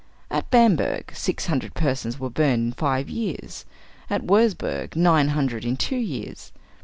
At Bamberg, six hundred persons were burned in five years, at Wurzburg nine hundred in two years.